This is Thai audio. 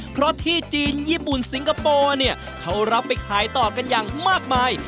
เพราะที่จีนญี่ปุ่นสิงคโปร์เนี่ยเขารับไปขายต่อกันอย่างมากมาย